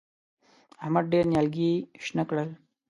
احمد ډېر نيالګي شنه کړل.